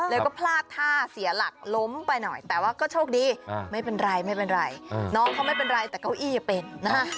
แล้วก็พลาดท่าเสียหลักล้มไปหน่อยแต่ว่าก็โชคดีไม่เป็นไรไม่เป็นไรน้องเขาไม่เป็นไรแต่เก้าอี้เป็นนะฮะ